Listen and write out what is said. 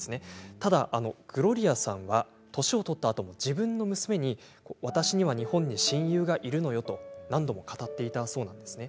ただグロリアさんは年を取ったあとも自分の娘に私には日本に親友がいるのよと何度も語っていたそうなんです。